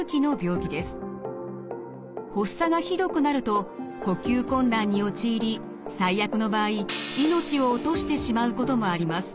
発作がひどくなると呼吸困難に陥り最悪の場合命を落としてしまうこともあります。